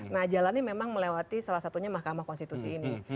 nah jalannya memang melewati salah satunya mahkamah konstitusi ini